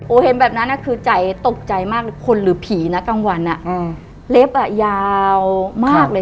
เห็นแบบนั้นคือใจตกใจมากเลยคนหรือผีนะกลางวันอ่ะอืมเล็บอ่ะยาวมากเลย